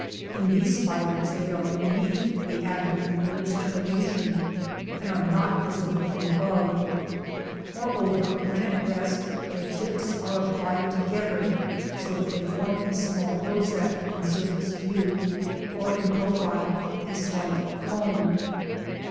In these spiders they are beneath the abdomen near its termination, and are not visible from above. Moreover when at rest their tips are applied together so that they form a small rosette in surface view, or, in profile, a slight cone.